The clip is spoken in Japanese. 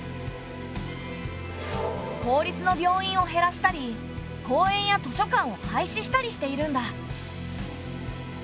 公立の病院を減らしたり公園や図書館を廃止したりしているんだ。